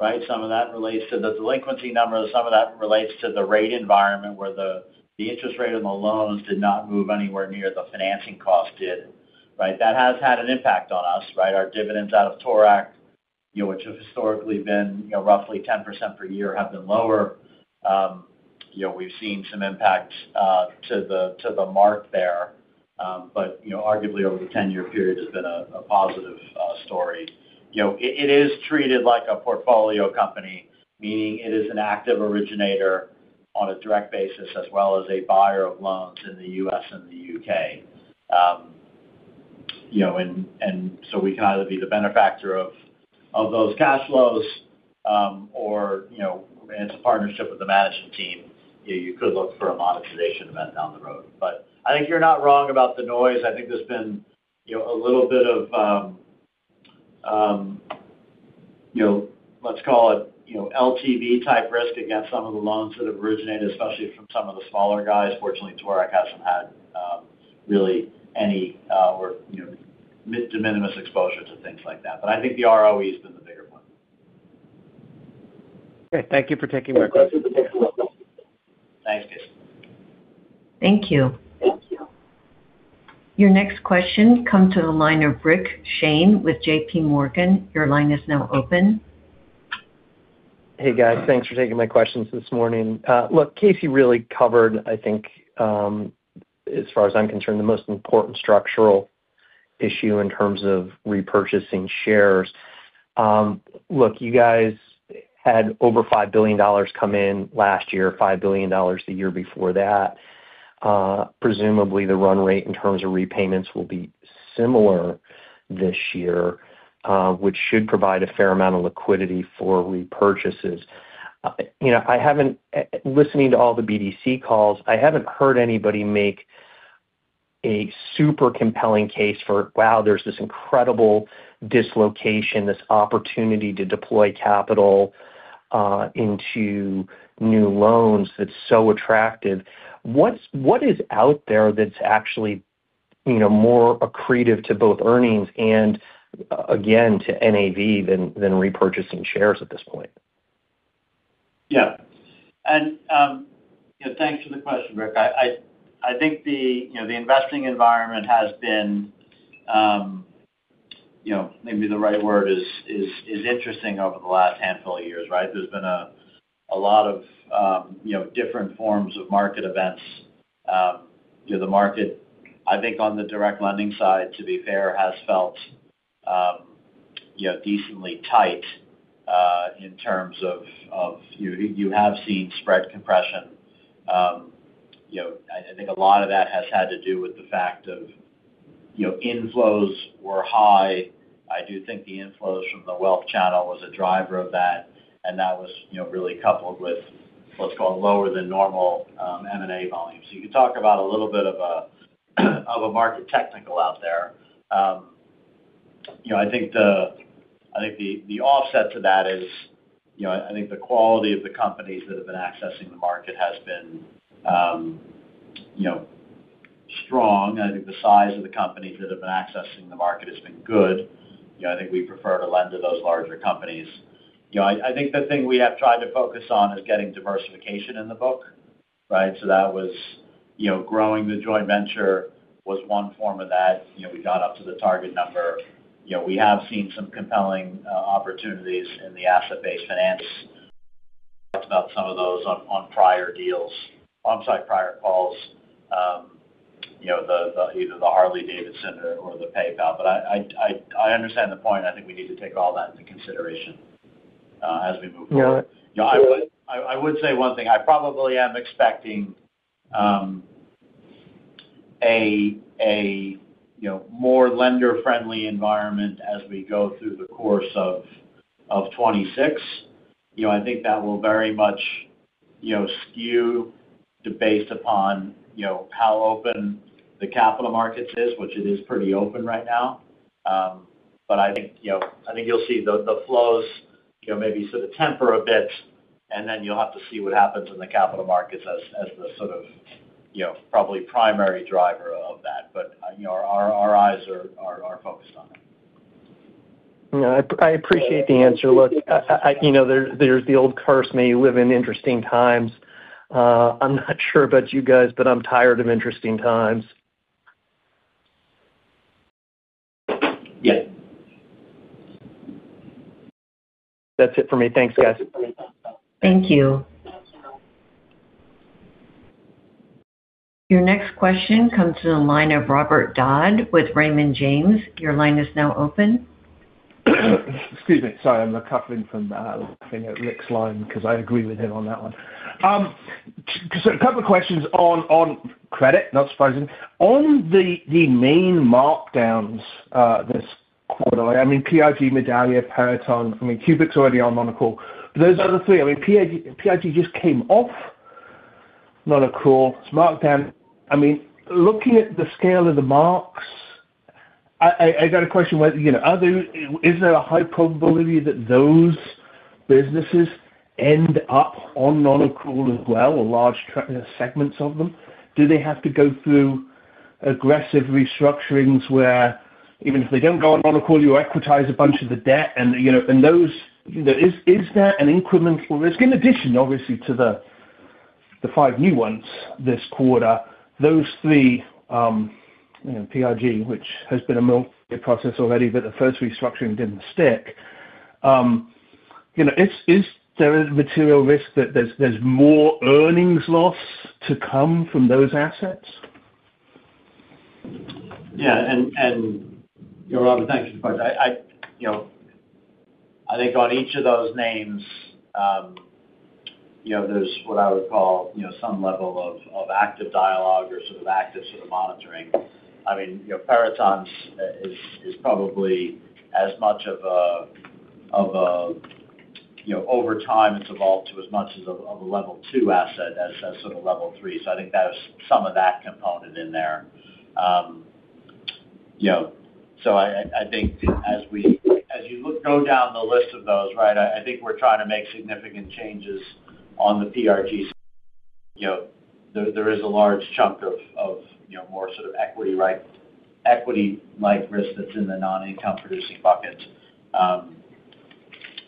Speaker 4: right? Some of that relates to the delinquency numbers, some of that relates to the rate environment, where the interest rate on the loans did not move anywhere near the financing cost did, right? That has had an impact on us, right? Our dividends out of Toorak, you know, which have historically been, you know, roughly 10% per year, have been lower. You know, we've seen some impact to the mark there. But, you know, arguably, over the ten-year period, it's been a positive story. You know, it is treated like a portfolio company, meaning it is an active originator on a direct basis, as well as a buyer of loans in the U.S. and the U.K. You know, we can either be the benefactor of those cash flows, or, you know, it's a partnership with the management team, you could look for a monetization event down the road. I think you're not wrong about the noise. I think there's been, you know, a little bit of, you know, let's call it, you know, LTV-type risk against some of the loans that have originated, especially from some of the smaller guys. Fortunately, Tawarak hasn't had, really any, or, you know, de minimis exposures to things like that, but I think the ROE has been the bigger one.
Speaker 9: Great. Thank you for taking my question.
Speaker 4: Thanks.
Speaker 1: Thank you.
Speaker 9: Thank you.
Speaker 1: Your next question comes to the line of Rick Shane with JPMorgan. Your line is now open.
Speaker 10: Hey, guys. Thanks for taking my questions this morning. Look, Casey really covered, I think, as far as I'm concerned, the most important structural issue in terms of repurchasing shares. Look, you guys had over $5 billion come in last year, $5 billion the year before that. Presumably, the run rate in terms of repayments will be similar this year, which should provide a fair amount of liquidity for repurchases. You know, I haven't listening to all the BDC calls, I haven't heard anybody make a super compelling case for, wow, there's this incredible dislocation, this opportunity to deploy capital, into new loans that's so attractive. What is out there that's actually, you know, more accretive to both earnings and, again, to NAV than repurchasing shares at this point?
Speaker 4: Yeah. Yeah, thanks for the question, Rick. I think the, you know, the investing environment has been, you know, maybe the right word is interesting over the last handful of years, right? There's been a lot of, you know, different forms of market events. You know, the market, I think on the direct lending side, to be fair, has felt, you know, decently tight in terms of you have seen spread compression. You know, I think a lot of that has had to do with the fact of, you know, inflows were high. I do think the inflows from the wealth channel was a driver of that, and that was, you know, really coupled with, let's call it, lower than normal M&A volumes. You can talk about a little bit of a, of a market technical out there. You know, I think the offset to that is, you know, I think the quality of the companies that have been accessing the market has been, you know, strong. I think the size of the companies that have been accessing the market has been good. You know, I think we prefer to lend to those larger companies. You know, I think the thing we have tried to focus on is getting diversification in the book, right? That was, you know, growing the joint venture was one form of that. You know, we got up to the target number. You know, we have seen some compelling opportunities in the asset-based finance. Talked about some of those on prior deals, on-site prior calls. You know, the either the Harley-Davidson or the PayPal, but I understand the point. I think we need to take all that into consideration, as we move forward.
Speaker 10: Sure.
Speaker 4: You know, I would say one thing: I probably am expecting a, you know, more lender-friendly environment as we go through the course of 2026. You know, I think that will very much, you know, skew debate upon, you know, how open the capital markets is, which it is pretty open right now. I think, you know, I think you'll see the flows, you know, maybe sort of temper a bit, and then you'll have to see what happens in the capital markets as the sort of, you know, probably primary driver of that. But, you know, our eyes are focused on it.
Speaker 10: Yeah, I appreciate the answer. Look, I. You know, there's the old curse, "May you live in interesting times." I'm not sure about you guys, but I'm tired of interesting times.
Speaker 4: Yeah.
Speaker 10: That's it for me. Thanks, guys.
Speaker 1: Thank you.
Speaker 4: Thank you.
Speaker 1: Your next question comes to the line of Robert Dodd with Raymond James. Your line is now open.
Speaker 11: Excuse me. Sorry, I'm recovering from laughing at Rick's line because I agree with him on that one. A couple of questions on credit, not surprising. On the main markdowns this quarter, I mean, PRG, Medallia, Peraton, I mean, Cubic's already on non-accrual. Those are the three. I mean, PRG just came off non-accrual, its markdown. I mean, looking at the scale of the marks, I got a question whether, you know, is there a high probability that those businesses end up on non-accrual as well, or large segments of them? Do they have to go through aggressive restructurings where even if they don't go on non-accrual, you equitize a bunch of the debt and, you know, and those, you know. Is there an incremental risk in addition, obviously, to the five new ones this quarter, those three, you know, PRG, which has been a multi-process already, but the first restructuring didn't stick? You know, is there a material risk that there's more earnings loss to come from those assets?
Speaker 4: Yeah. You know, Robert, thank you for that. I, you know, I think on each of those names, you know, there's what I would call, you know, some level of active dialogue or sort of active sort of monitoring. I mean, you know, Peraton's, is probably as much of, you know, over time, it's evolved to as much as of a Level 2 asset as sort of Level 3. I think that's some of that component in there. You know, I, I think as you look, go down the list of those, right, I think we're trying to make significant changes on the PRG. You know, there is a large chunk of, you know, more sort of equity-like risk that's in the non-income producing bucket.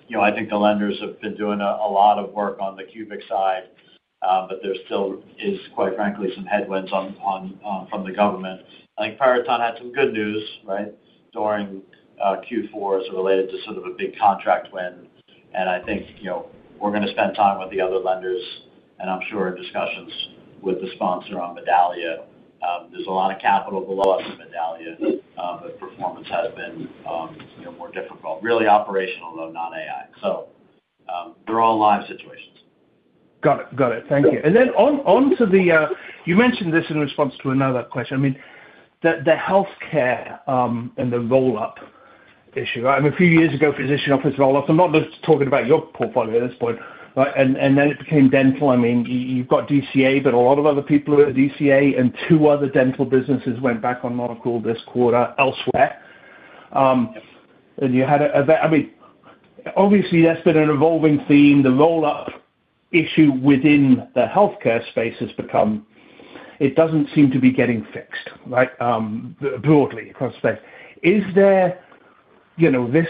Speaker 4: You know, I think the lenders have been doing a lot of work on the Cubic side, but there still is, quite frankly, some headwinds from the government. I think Peraton had some good news, right, during Q4, related to a big contract win. I think, you know, we're going to spend time with the other lenders, and I'm sure discussions with the sponsor on Medallia. there's a lot of capital below us in Medallia, but performance has been, you know, more difficult. Really operational, though, not AI. They're all live situations.
Speaker 11: Got it. Thank you. Then on to the You mentioned this in response to another question. I mean, the healthcare, and the roll-up issue, right? I mean, a few years ago, physician office roll-up. I'm not just talking about your portfolio at this point, right? Then it became dental. I mean, you've got DCA, but a lot of other people are at DCA, and two other dental businesses went back on medical this quarter elsewhere. I mean, obviously, that's been an evolving theme. The roll-up issue within the healthcare space has become it doesn't seem to be getting fixed, right, broadly across space. Is there, you know, this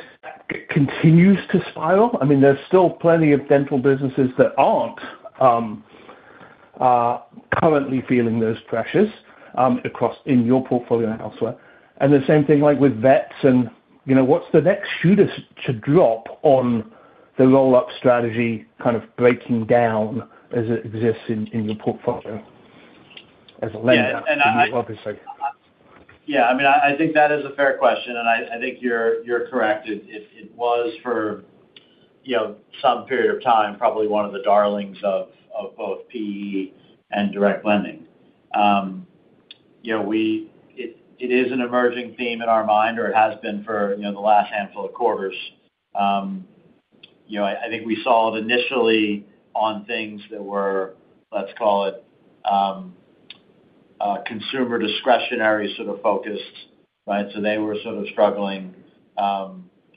Speaker 11: continues to spiral? I mean, there's still plenty of dental businesses that aren't currently feeling those pressures across in your portfolio and elsewhere. The same thing, like, with vets and, you know, what's the next shoe to drop on the roll-up strategy kind of breaking down as it exists in your portfolio as a lender, obviously?
Speaker 4: Yeah, I mean, I think that is a fair question, and I think you're correct. It, it was for, you know, some period of time, probably one of the darlings of both PE and direct lending. You know, it is an emerging theme in our mind, or it has been for, you know, the last handful of quarters. You know, I think we saw it initially on things that were, let's call it, consumer discretionary sort of focused, right? They were sort of struggling.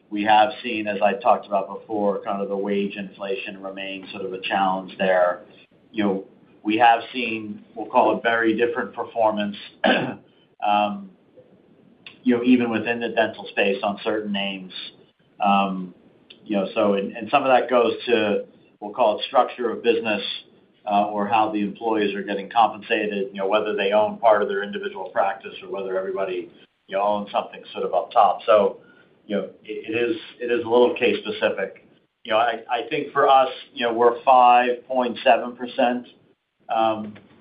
Speaker 4: We have seen, as I talked about before, kind of the wage inflation remains sort of a challenge there. You know, we have seen, we'll call it, very different performance, you know, even within the dental space on certain names. You know, some of that goes to, we'll call it, structure of business, or how the employees are getting compensated, you know, whether they own part of their individual practice or whether everybody, you know, owns something sort of up top. You know, it is, it is a little case specific. You know, I think for us, you know, we're 5.7%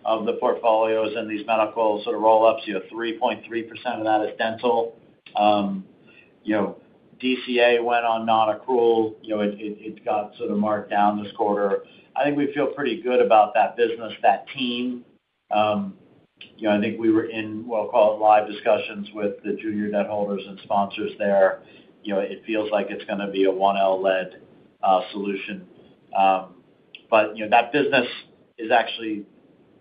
Speaker 4: of the portfolios in these medical sort of roll-ups. You know, 3.3% of that is dental. You know, DCA went on nonaccrual. You know, it got sort of marked down this quarter. I think we feel pretty good about that business, that team. You know, I think we were in, we'll call it, live discussions with the junior debt holders and sponsors there. You know, it feels like it's gonna be a 1L lead solution. You know, that business is actually,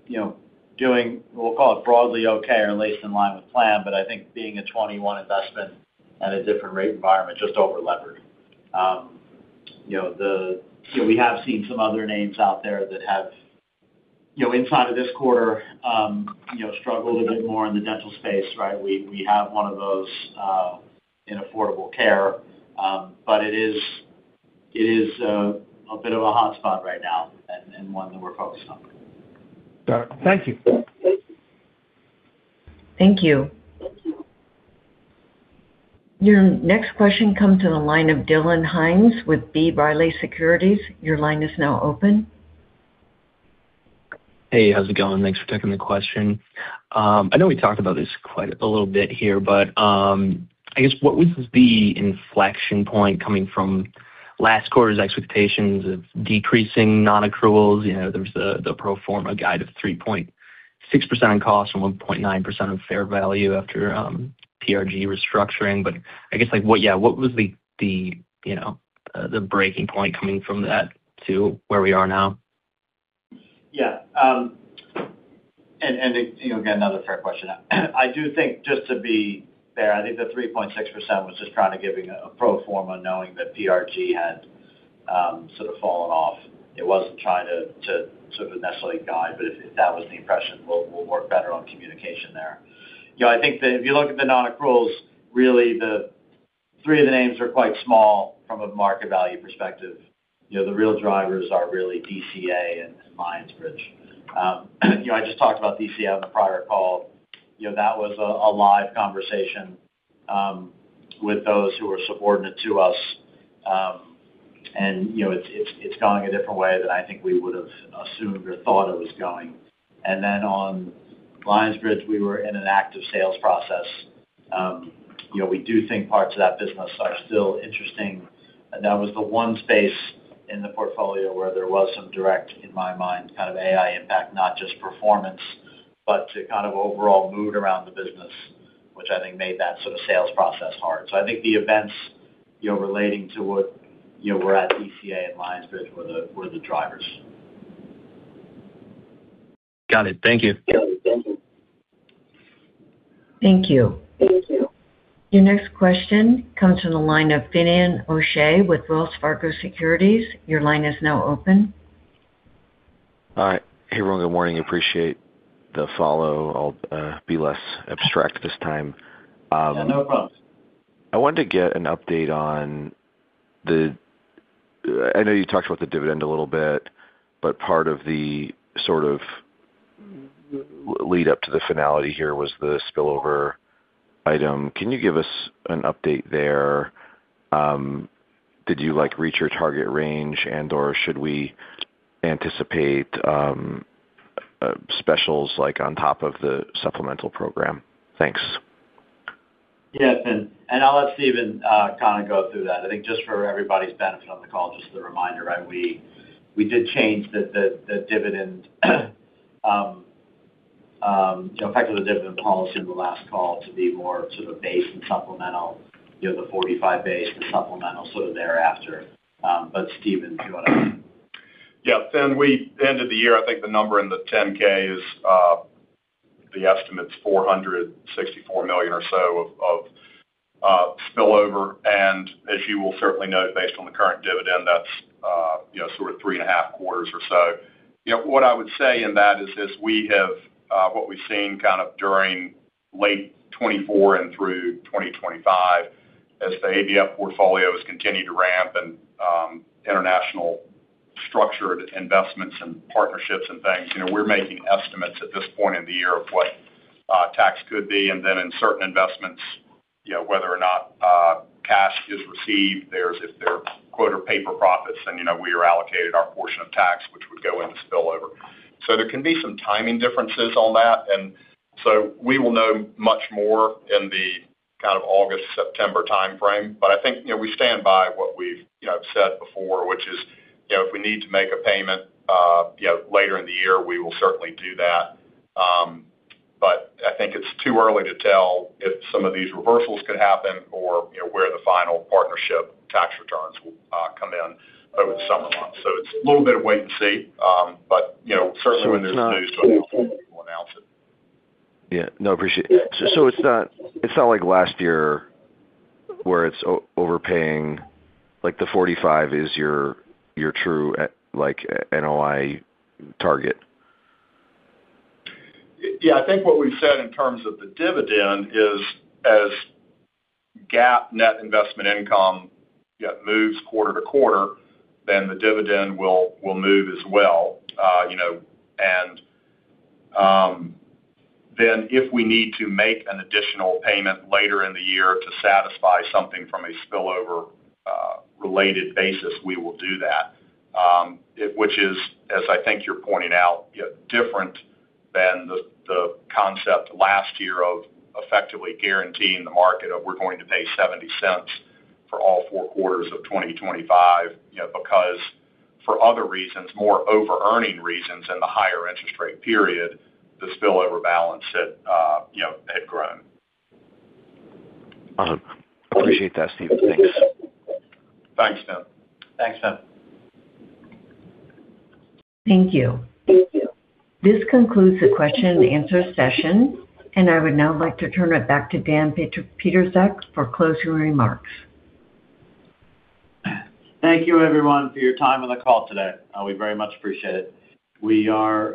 Speaker 4: you know, doing, we'll call it, broadly okay, or at least in line with plan, but I think being a 21 investment at a different rate environment, just over-levered. You know, we have seen some other names out there that have, you know, inside of this quarter, you know, struggled a bit more in the dental space, right? We have one of those in Affordable Care. It is a bit of a hotspot right now and one that we're focused on.
Speaker 11: Got it. Thank you.
Speaker 1: Thank you. Your next question comes to the line of Dylan Hines with B. Riley Securities. Your line is now open.
Speaker 12: Hey, how's it going? Thanks for taking the question. I know we talked about this quite a little bit here, but I guess what would be inflection point coming from last quarter's expectations of decreasing nonaccruals? You know, there was the pro forma guide of 3.6% on cost and 1.9% on fair value after PRG restructuring. I guess, like, Yeah, what was the, you know, the breaking point coming from that to where we are now?
Speaker 4: Yeah, you know, again, another fair question. I do think, just to be fair, I think the 3.6% was just kind of giving a pro forma, knowing that PRG had sort of fallen off. It wasn't trying to sort of necessarily guide, but if that was the impression, we'll work better on communication there. You know, I think that if you look at the nonaccruals, really the three of the names are quite small from a market value perspective. You know, the real drivers are really DCA and Lionbridge. You know, I just talked about DCA on the prior call. You know, that was a live conversation with those who are subordinate to us. You know, it's, it's going a different way than I think we would've assumed or thought it was going. On Lionbridge Technologies, we were in an active sales process. You know, we do think parts of that business are still interesting, and that was the one space in the portfolio where there was some direct, in my mind, kind of AI impact, not just performance, but to kind of overall mood around the business. Which I think made that sort of sales process hard. I think the events, you know, relating to what, you know, were at DCA and Lionbridge Technologies were the, were the drivers.
Speaker 12: Got it. Thank you.
Speaker 1: Thank you. Your next question comes from the line of Finian O'Shea with Wells Fargo Securities. Your line is now open.
Speaker 6: Hey, everyone. Good morning. Appreciate the follow. I'll be less abstract this time.
Speaker 4: Yeah, no problem.
Speaker 6: I wanted to get an update. I know you talked about the dividend a little bit, but part of the sort of lead up to the finality here was the spillover item. Can you give us an update there? Did you, like, reach your target range, and/or should we anticipate, specials, like, on top of the supplemental program? Thanks.
Speaker 4: Finn, I'll let Steven, kind of go through that. I think just for everybody's benefit on the call, just as a reminder, right, we did change the dividend, you know, effect of the dividend policy in the last call to be more sort of base and supplemental, you know, the $0.45 base, the supplemental sort of thereafter. Steven, do you want to?
Speaker 5: Yeah, Finn, we ended the year. I think the number in the 10-K is, the estimate's $464 million or so of spillover. As you will certainly note, based on the current dividend, that's, you know, sort of three and a half quarters or so. You know, what I would say in that is, we have, what we've seen kind of during late 2024 and through 2025, as the ABF portfolios continue to ramp, international structured investments and partnerships and things, you know, we're making estimates at this point in the year of what tax could be, then in certain investments, you know, whether or not cash is received, there's, if they're, quote, or paper profits, then, you know, we are allocated our portion of tax, which would go into spillover. There can be some timing differences on that. We will know much more in the kind of August, September time frame. I think, you know, we stand by what we've, you know, said before, which is, you know, if we need to make a payment, you know, later in the year, we will certainly do that. I think it's too early to tell if some of these reversals could happen or, you know, where the final partnership tax returns will come in over the summer months. It's a little bit of wait and see, you know, certainly when there's news to announce it, we'll announce it.
Speaker 6: It's not like last year, where it's overpaying, like the 45 is your true, like, NOI target?
Speaker 5: Yeah, I think what we've said in terms of the dividend is, as GAAP net investment income, you know, moves quarter to quarter, then the dividend will move as well. You know, and then if we need to make an additional payment later in the year to satisfy something from a spillover related basis, we will do that. Which is, as I think you're pointing out, you know, different than the concept last year of effectively guaranteeing the market of we're going to pay $0.70 for all four quarters of 2025. You know, because for other reasons, more over earning reasons and the higher interest rate period, the spillover balance had, you know, had grown.
Speaker 6: Awesome. Appreciate that, Steven. Thanks.
Speaker 5: Thanks, Finn.
Speaker 4: Thanks, Finn.
Speaker 1: Thank you.
Speaker 6: Thank you.
Speaker 1: This concludes the question and answer session, and I would now like to turn it back to Dan Pietrzak for closing remarks.
Speaker 4: Thank you, everyone, for your time on the call today. We very much appreciate it. We are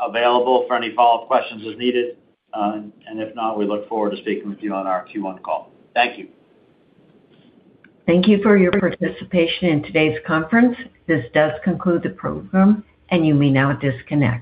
Speaker 4: available for any follow-up questions as needed, and if not, we look forward to speaking with you on our Q1 call. Thank you.
Speaker 1: Thank you for your participation in today's conference. This does conclude the program, and you may now disconnect.